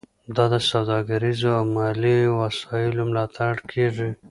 دا د سوداګریزو او مالي وسایلو ملاتړ کیږي